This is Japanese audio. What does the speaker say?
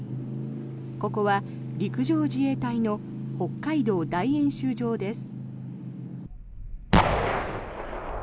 ここは陸上自衛隊の北海道大演習場です。